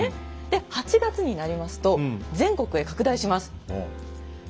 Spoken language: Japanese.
で８月になりますと全国へ拡大します。